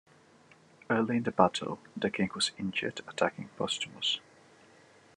Early in the battle, the king was injured attacking Postumius.